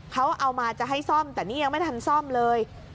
เขาเอามาจะให้ซ่อมแต่นี่ยังไม่ทันซ่อมเลย